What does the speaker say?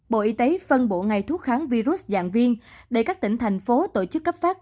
bộ y tế phân bộ ngày thuốc kháng virus giảng viên để các tỉnh thành phố tổ chức cấp phát